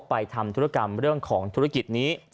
ทำธุรกรรมเรื่องของธุรกิจนี้